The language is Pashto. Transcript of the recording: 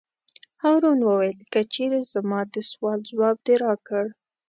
هارون وویل: که چېرې زما د سوال ځواب دې راکړ.